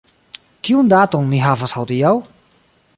Kiun daton ni havas hodiaŭ?